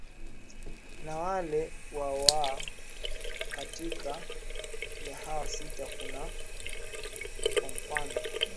na wale wa wa katikati ya hawa sita kuna kwa mfano